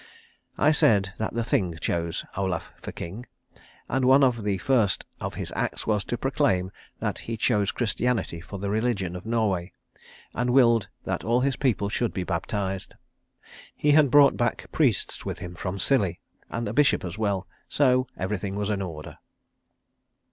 I said that the Thing chose Olaf for king; and one of the first of his acts was to proclaim that he chose Christianity for the religion of Norway, and willed that all his people should be baptized. He had brought back priests with him from Scilly, and a bishop as well, so everything was in order.